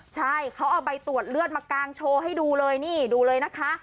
ใช่เขาเอาใบตรวจเลือดมากางโชว์ให้ดูเลยนี่ดูเลยนะคะ